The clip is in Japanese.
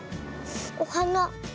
おはな。